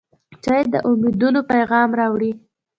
چای د امیدونو پیغام راوړي.